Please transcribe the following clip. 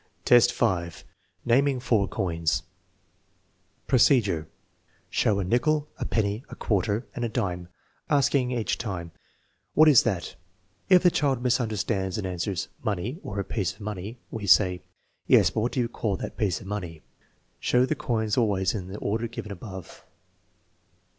1 IT VI, 5. Naming four coins Procedure. Show a sicfeel, a pozffijk, a quarter, and a dime, asking each time: " What is that ?" If the child mis iiS3erstands and answers, " Money," or " A piece of money," we say: "Yes, but what do you call that piece of money ?" Show the coins always in the order given above.